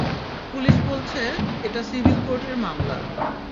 Police বলছে, এইটা civil কোর্টের মামলা।